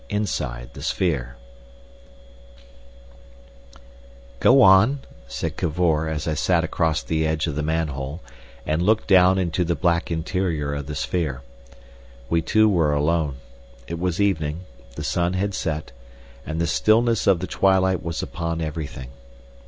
IV. Inside the Sphere "Go on," said Cavor, as I sat across the edge of the manhole, and looked down into the black interior of the sphere. We two were alone. It was evening, the sun had set, and the stillness of the twilight was upon everything.